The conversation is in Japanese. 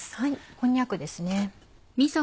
こんにゃくです。